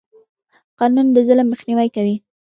قانون د ظلم مخنیوی کوي.